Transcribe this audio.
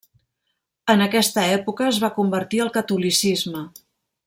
En aquesta època es va convertir al catolicisme.